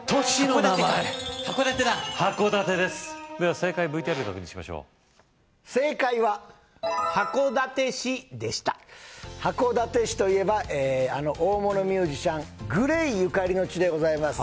正解ＶＴＲで確認しましょう正解は函館市でした函館市といえばあの大物ミュージシャン・ＧＬＡＹゆかりの地でございます